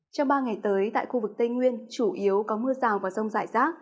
trong ba ngày tới tại khu vực tây nguyên chủ yếu có mưa rào và rông rải rác